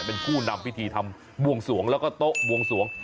เป็นผู้นำพิธีทำบวงสวงแล้วก็โต๊ะบวงสวง